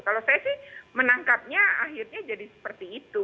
kalau saya sih menangkapnya akhirnya jadi seperti itu